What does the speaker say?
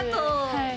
はい。